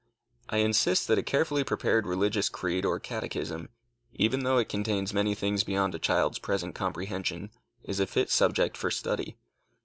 I insist that a carefully prepared religious creed or catechism, even though it contains many things beyond a child's present comprehension, is a fit subject for study.